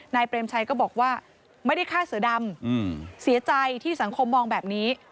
เปรมชัยก็บอกว่าไม่ได้ฆ่าเสือดำเสียใจที่สังคมมองแบบนี้